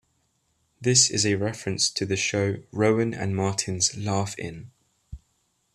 This is a reference to the show "Rowan and Martin's Laugh-In".